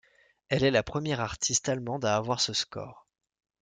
Elle est la première artiste allemande à avoir ce score.